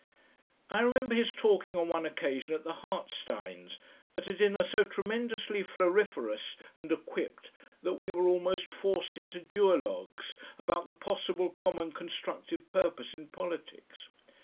I remember his talking on one occasion at the Hartsteins', at a dinner so tremendously floriferous and equipped that we were almost forced into duologues, about the possible common constructive purpose in politics.